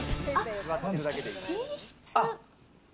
寝室。